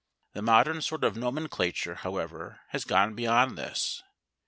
The modern sort of nomenclature, however, has gone beyond this.